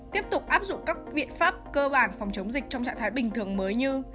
tiếp tục áp dụng các biện pháp cơ bản phòng chống dịch trong trạng thái bình thường mới như